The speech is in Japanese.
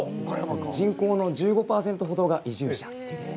人口の１５％ほどが移住者です。